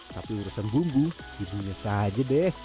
tapi urusan bumbu ibunya saja deh